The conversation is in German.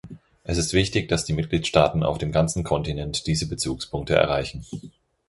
Es ist wichtig, dass die Mitgliedstaaten auf dem ganzen Kontinent diese Bezugspunkte erreichen.